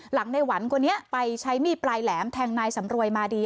หลังในหวันคนนี้ไปใช้มีดปลายแหลมแทงนายสำรวยมาดี